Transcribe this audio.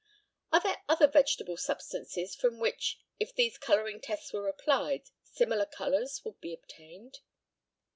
Are there other vegetable substances from which, if these colouring tests were applied, similar colours would be obtained?